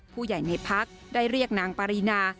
ผู้ใหญ่ในพักได้เรียกนางปรินา